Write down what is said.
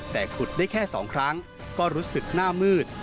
แต่ขุดได้แค่๒ครั้งก็รู้สึกหน้ามืด